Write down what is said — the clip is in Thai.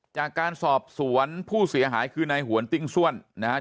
จากการสอบสวนผู้เสียหายคือนายหวนติ้งส้วนนะครับ